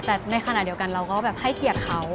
แต่ในขณะเดียวกันเราก็แบบให้เกียรติเขา